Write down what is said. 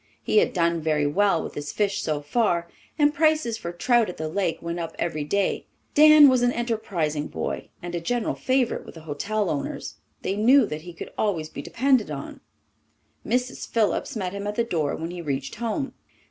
He had done very well with his fish so far, and prices for trout at the Lake went up every day. Dan was an enterprising boy, and a general favourite with the hotel owners. They knew that he could always be depended on. Mrs. Phillips met him at the door when he reached home.